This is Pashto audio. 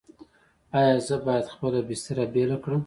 ایا زه باید خپله بستر بیله کړم؟